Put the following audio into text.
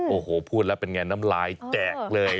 โอ้โหพูดแล้วเป็นไงน้ำลายแตกเลย